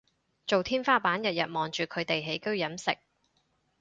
做天花板日日望住佢哋起居飲食